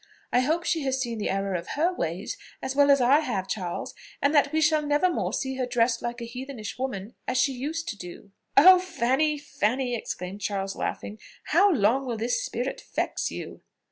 I hope she has seen the error of her ways, as well as I have, Charles; and that we shall never more see her dressed like a heathenish woman, as she used to do." "Oh Fanny! Fanny!" exclaimed Charles, laughing. "How long will this spirit vex you."